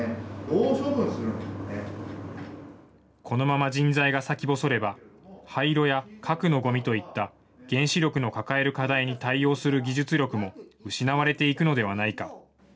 このまま人材が先細れば、廃炉や核のごみといった原子力の抱える課題に対応する技術力も失われていくのではないか。